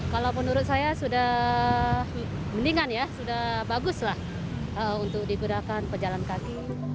kalau menurut saya sudah mendingan ya sudah bagus lah untuk digunakan pejalan kaki